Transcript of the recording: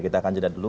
kita akan jeda dulu